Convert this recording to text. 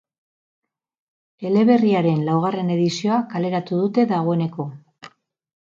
Eleberriaren laugarren edizioa kaleratu dute dagoeneko.